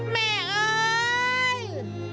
แม่เอ้ย